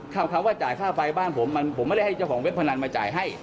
คำว่าจ่ายค่าไฟบ้านผมมันผมไม่ได้ให้เจ้าของเว็บพนันมาจ่ายให้